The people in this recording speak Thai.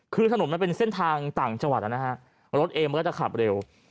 คือถนนมันเป็นเส้นทางต่างจังหวัดนะฮะรถเองมันก็จะขับเร็ว